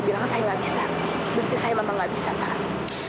berarti saya memang gak bisa pak